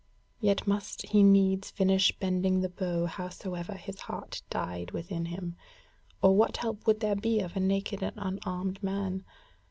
Yet must he needs finish bending the bow howsoever his heart died within him; or what help would there be of a naked and unarmed man?